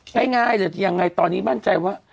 ง่ายเลยยังไงตอนนี้มั่นใจว่า